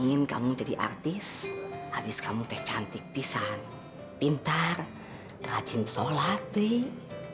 tante kepingin kamu jadi artis habis kamu teh cantik pisang pintar rajin sholat teh